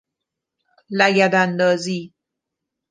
لگد اندازی